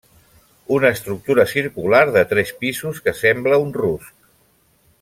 Una estructura circular de tres pisos que sembla un rusc.